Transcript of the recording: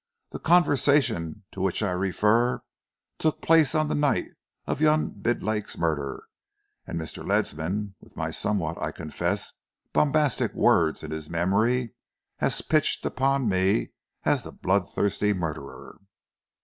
The conversation to which I refer took place on the night of young Bidlake's murder, and Mr. Ledsam, with my somewhat, I confess, bombastic words in his memory, has pitched upon me as the bloodthirsty murderer."